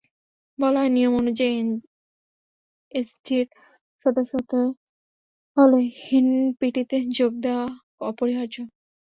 বলা হয়, নিয়ম অনুযায়ী এনএসজির সদস্য হতে হলে এনপিটিতে যোগ দেওয়া অপরিহার্য।